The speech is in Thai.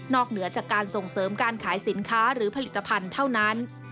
เหนือจากการส่งเสริมการขายสินค้าหรือผลิตภัณฑ์เท่านั้น